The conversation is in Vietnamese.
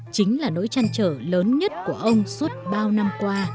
chính là nỗi trăn trở lớn nhất của ông suốt bao năm qua